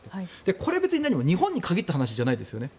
これ、日本に限った話じゃないですよね。